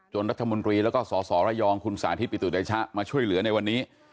จนรัฐมนตรีและก็ศรยคุณสาธิตปิตุริยชะมาช่วยเหลือในวันนี้